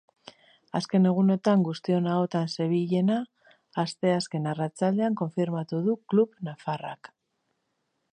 Azken egunotan guztion ahotan zebilena asteazken arratsaldean konfirmatu du klub nafarrak.